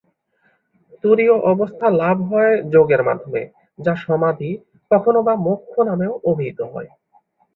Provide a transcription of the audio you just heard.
তুরীয় অবস্থা লাভ হয় যোগের মাধ্যমে, যা সমাধি, কখনও বা মোক্ষ নামেও অভিহিত হয়।